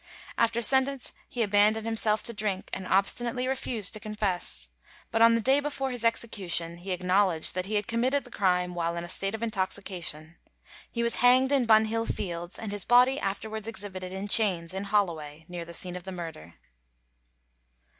After sentence he abandoned himself to drink, and obstinately refused to confess. But on the day before his execution he acknowledged that he had committed the crime while in a state of intoxication. He was hanged in Bunhill Fields, and his body afterwards exhibited in chains in Holloway near the scene of the murder.